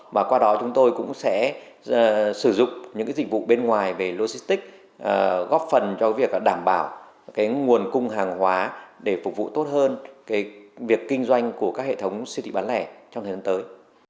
và qua đó chúng tôi cũng sẽ sử dụng những dịch vụ bên ngoài về logistics góp phần cho việc đảm bảo nguồn cung hàng hóa để phục vụ tốt hơn việc kinh doanh của các hệ thống siêu thị bán lẻ trong thời gian tới